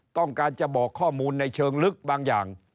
ต้องการจะบอกข้อมูลในเชิงลึกบางอย่าง